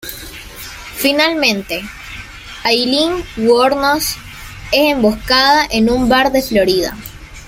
Finalmente, Aileen Wuornos es emboscada en un bar de Florida.